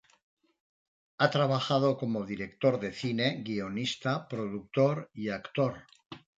Ha trabajado como director de cine, guionista, productor y actor.